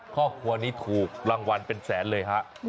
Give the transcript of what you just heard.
ครอบครัวนี้ถูกรางวัลเป็นแสนเลยฮะ